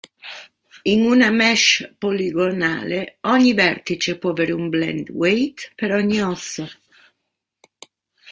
In una mesh poligonale, ogni vertice può avere un blend weight per ogni osso.